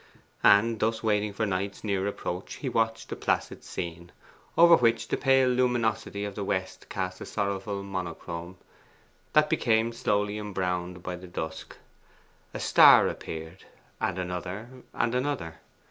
And thus waiting for night's nearer approach, he watched the placid scene, over which the pale luminosity of the west cast a sorrowful monochrome, that became slowly embrowned by the dusk. A star appeared, and another, and another.